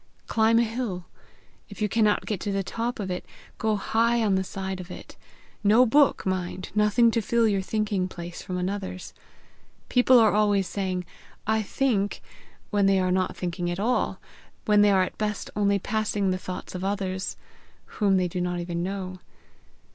Climb a hill. If you cannot get to the top of it, go high on the side of it. No book, mind! nothing to fill your thinking place from another's! People are always saying 'I think,' when they are not thinking at all, when they are at best only passing the thoughts of others whom they do not even know.